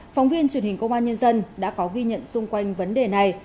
phóng viên truyền hình công an nhân dân đã có ghi nhận xung quanh vấn đề này